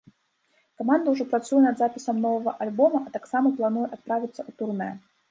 Каманда ўжо працуе над запісам новага альбома, а таксама плануе адправіцца ў турнэ.